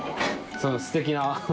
すてきな。